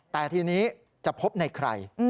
แต่ทีนี้จะพบในใคร